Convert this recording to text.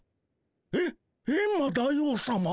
えっエンマ大王さま？